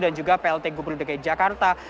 dan juga plt gubernur dg jakarta